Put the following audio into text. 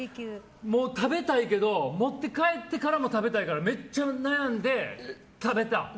食べたいけど持って帰ってからも食べたいからめっちゃ悩んで食べた。